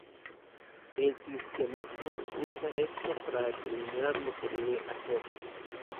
El cristianismo usa esto para determinar lo que debe hacer.